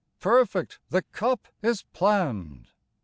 . Perfect the cup is planned